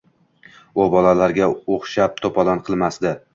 U bolalarga o‘xshab to‘polon qilmasdi.